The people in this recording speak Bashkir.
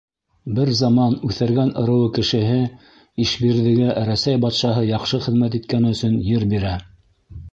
Бер заман Үҫәргән ырыуы кешеһе Ишбирҙегә Рәсәй батшаһы яҡшы хеҙмәт иткәне өсөн ер бирә.